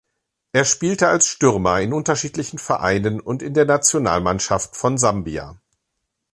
Er spielte als Stürmer in unterschiedlichen Vereinen und in der Nationalmannschaft von Sambia.